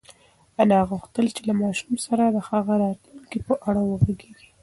انا غوښتل چې له ماشوم سره د هغه د راتلونکي په اړه وغږېږي.